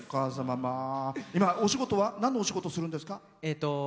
今、お仕事はなんのお仕事するんですか？